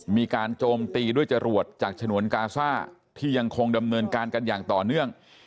โจมตีด้วยจรวดจากฉนวนกาซ่าที่ยังคงดำเนินการกันอย่างต่อเนื่อง